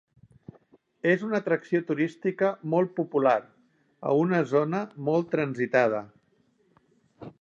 És una atracció turística molt popular, a una zona molt transitada.